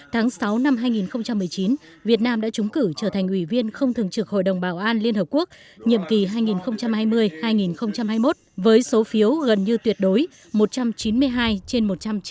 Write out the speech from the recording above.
tháng sáu năm hai nghìn một mươi chín việt nam đã trúng cử trở thành ủy viên không thường trực hội đồng bảo an liên hợp quốc nhiệm kỳ hai nghìn hai mươi hai nghìn hai mươi một với số phiếu gần như tuyệt đối một trăm chín mươi hai trên một trăm chín mươi hai